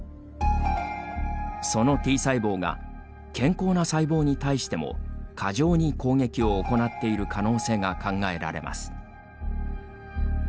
そのＴ細胞が健康な細胞に対しても過剰に攻撃を行っている可能性が考えられます。